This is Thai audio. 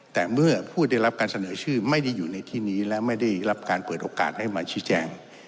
แต่เมื่อผู้ได้รับการเสนอชื่อไม่ได้อยู่ในที่นี้และไม่ได้รับการเปิดโอกาสให้มาชี้แจง